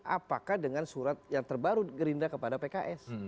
apakah dengan surat yang terbaru gerindra kepada pks